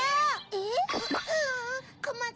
えっ？